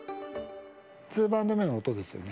ツーバウンド目の音ですよね。